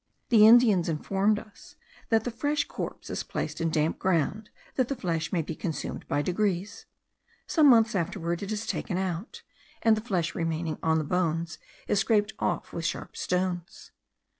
The Indians informed us that the fresh corpse is placed in damp ground, that the flesh may be consumed by degrees; some months afterwards it is taken out, and the flesh remaining on the bones is scraped off with sharp stones.